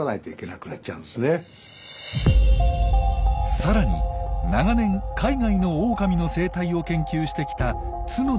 さらに長年海外のオオカミの生態を研究してきた角田裕志博士も。